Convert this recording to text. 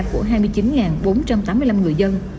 của hai mươi chín bốn trăm tám mươi năm người dân